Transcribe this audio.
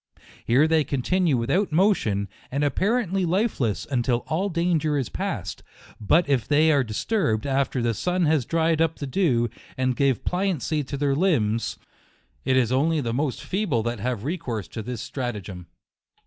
Here they con tinue without motion, and apparently lifeless, until all danger is past, But if they are dis turbed after the sun has dried up the dew, and gave pliancy to their limbs, it is only the most feeble that have recourse to this strata gem.